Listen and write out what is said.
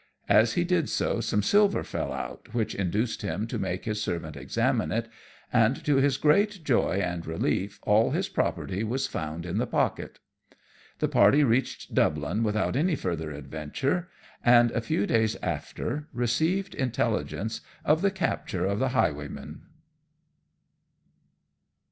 As he did so some silver fell out, which induced him to make his servant examine it, and to his joy and relief all his property was found in the pocket. The party reached Dublin without any further adventure, and a few days after received intelligence of the capture of the Highwayman.